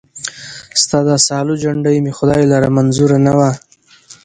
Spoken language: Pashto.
ستا د سالو جنډۍ مي خدای لره منظوره نه وه